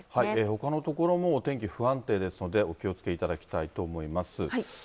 ほかの所もお天気不安定ですので、お気をつけいただきたいと思います。